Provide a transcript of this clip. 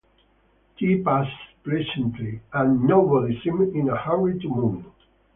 Tea passed pleasantly, and nobody seemed in a hurry to move.